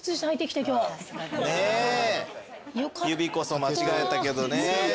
指こそ間違えたけどね。